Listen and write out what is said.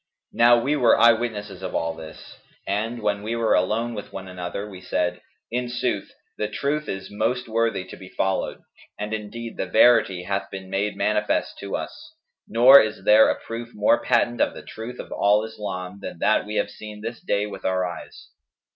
Now we were eye witnesses of all this; and, when we were alone with one another, we said, 'In sooth, the truth is most worthy to be followed;'[FN#211] and indeed the verity hath been made manifest to us, nor is there a proof more patent of the truth of al Islam than that we have seen this day with our eyes.'